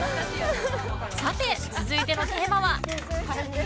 さて、続いてのテーマは。